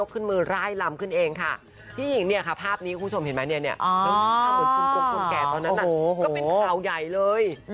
คุณผู้ชมแก่ตอนนั้นก็เป็นข่าวยัยเลย